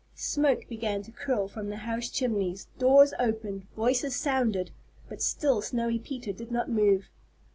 Smoke began to curl from the house chimneys, doors opened, voices sounded, but still Snowy Peter did not move.